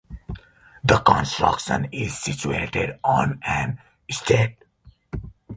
The construction is situated on an estate.